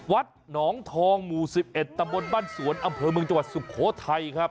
วัดหนองทองหมู่๑๑ตำบลบ้านสวนอำเภอเมืองจังหวัดสุโขทัยครับ